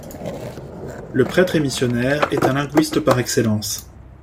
Le prêtre et missionnaire est un linguiste par excellence.